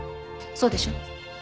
そうでしょ？